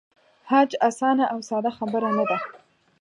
حج آسانه او ساده خبره نه ده.